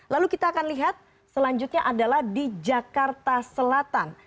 lalu kita akan lihat selanjutnya adalah di jakarta selatan